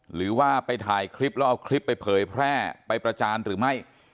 หรือว่าไปถ่ายคลิปแล้วเอาคลิปไปเผยแพร่ไปประจานหรือไม่